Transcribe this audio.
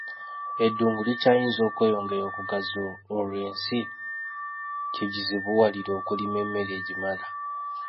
Eddungu likyayinza okweyongera okugaziwa olwo ensi kigizibuwalire okulima emmere egimala